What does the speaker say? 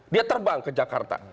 dia terbang ke jakarta